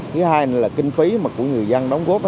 thứ hai là kinh phí của người dân đóng góp